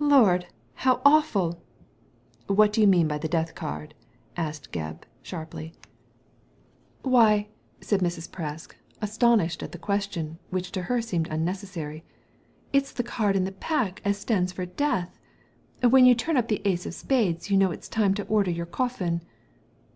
"Lord I how awful!" What do you mean by the death card?" asked Gebb, sharply. Digitized by Google 12 THE LADY FROM NOWHERE " Why I " said Mrs. Presk, astonished at the question, which to her seemed unnecessary, it's the card in the pack as stands for death. When you turn up the ace of spades you know it's time to order your coffin."